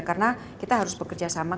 karena kita harus bekerjasama